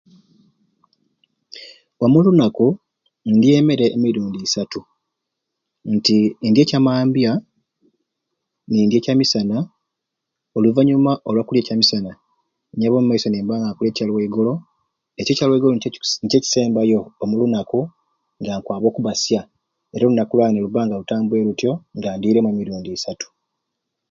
Omu lunaku ndya emere emirundi isatu, nti ndya ekyamambya, nindya ekyamisana oluvanyuma olwakulya ekyamisana nyaba omumaiso nimba nga nkulya ekya lwaigolo ekyo ekya lwaigolo nikyo kisi nikyo kisembayo omulunaku nga nkwaba okubbasya era olunaku lwange nilubba nga lutambwiire lutyo nga ndiiremu emirundi isatu